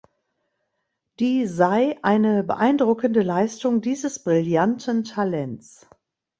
Die sei eine beeindruckende Leistung dieses brillanten Talents.